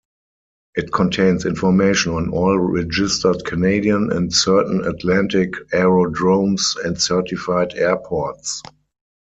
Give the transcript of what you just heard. It contains information on all registered Canadian and certain Atlantic aerodromes and certified airports.